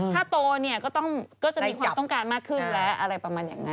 ถ้าโตเนี่ยก็จะมีความต้องการมากขึ้นแล้วอะไรประมาณอย่างนั้น